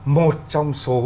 một trong số